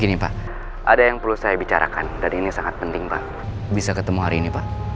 gini pak ada yang perlu saya bicarakan dan ini sangat penting pak bisa ketemu hari ini pak